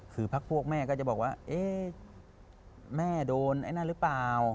คือพักพวกแม่ก็จะบอกว่าเอ๊ะแม่โดนไอ้นั่นหรือเปล่า